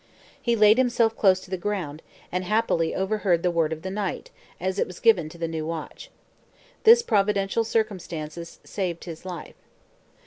He laid himself close to the ground, and happily overheard the word of the night, as it was given to the new watch. This providential circumstances saved his life.